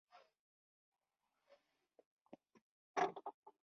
د جنتونو د مسکن څخه یو ښکلې شهزاده به راځي